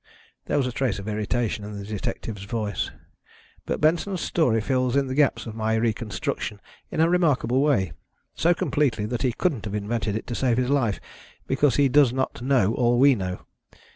There was a trace of irritation in the detective's voice. "But Benson's story fills in the gaps of my reconstruction in a remarkable way so completely, that he couldn't have invented it to save his life, because he does not know all we know.